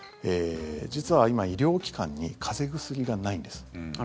実は今、医療機関に風邪薬がないんです。